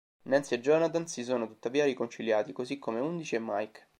Nancy e Jonathan si sono tuttavia riconciliati, così come Undici e Mike.